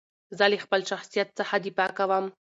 زه له خپل شخصیت څخه دفاع کوم.